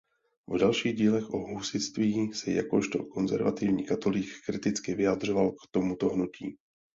V dalších dílech o husitství se jakožto konzervativní katolík kriticky vyjadřoval k tomuto hnutí.